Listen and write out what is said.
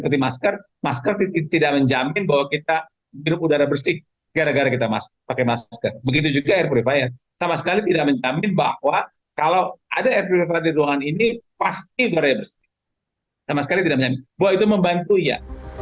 pasti berair bersih sama sekali tidak menyambut buat itu membantu ya